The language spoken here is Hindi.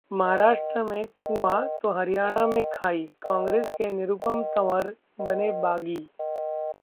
महाराष्ट्र में कुंआ तो हरियाणा में खाई, कांग्रेस के निरुपम-तंवर बने बागी